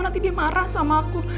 nanti dia marah sama aku